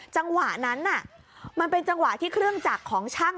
จังหวะนั้นมันเป็นจังหวะที่เครื่องจักรของช่าง